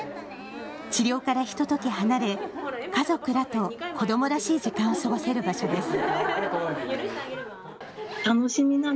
治療からひととき離れ家族らと子どもらしい時間を過ごせる場所です。